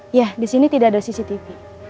iya di sini tidak ada cctv